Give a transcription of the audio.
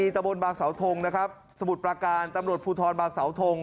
ตะบนบางสาวทงสมุดประกาศตำรวจผูทรบางสาวทง